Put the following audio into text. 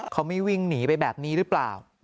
เขาไม่วิ่งหนีไปแบบนี้หรือเปล่า